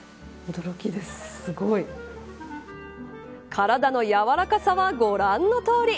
体のやわらかさはご覧のとおり。